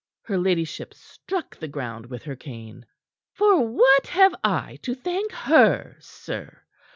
Her ladyship struck the ground with her cane. "For what have I to thank her, sir?